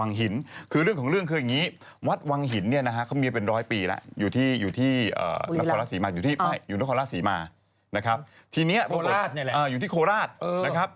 ทีเนี่ยโคราสเนี่ยแหละอยู่ที่โคราสนะครับ